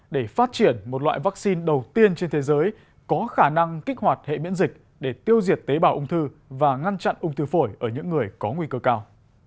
để phát triển một loại vaccine đầu tiên trên thế giới có khả năng kích hoạt hệ miễn dịch để tiêu diệt tế bào ung thư và ngăn chặn ung thư phổi ở những người có nguy cơ cao